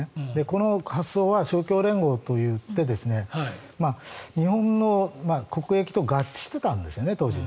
この発想は勝共連合といって当時、日本の国益と合致していたんですよね。